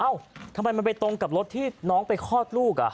ทำไมมันไปตรงกับรถที่น้องไปคลอดลูก